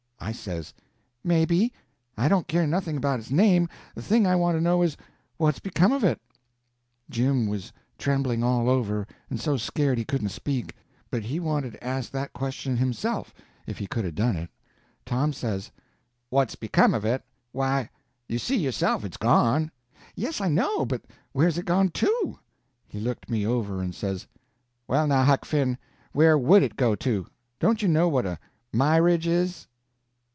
I says: "Maybe. I don't care nothing about its name, the thing I want to know is, what's become of it?" Jim was trembling all over, and so scared he couldn't speak, but he wanted to ask that question himself if he could 'a' done it. Tom says: "What's become of it? Why, you see yourself it's gone." "Yes, I know; but where's it gone to?" He looked me over and says: "Well, now, Huck Finn, where would it go to! Don't you know what a myridge is?"